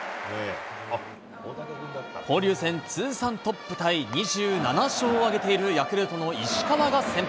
交流戦通算トップタイ、２７勝を挙げているヤクルトの石川が先発。